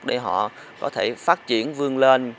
để họ có thể phát triển vươn lên